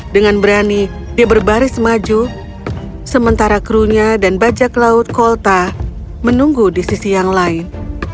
dengan berani dia berbaris maju sementara krunya dan bajak laut kolta menunggu di sisi yang lain